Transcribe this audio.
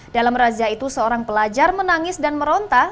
dalam razia itu seorang pelajar menangis dan meronta